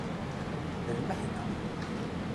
D lmeḥna.